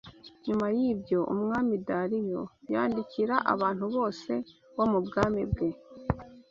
Nyuma y’ibyo, Umwami Dariyo yandikira abantu bose bo mu bwami bwe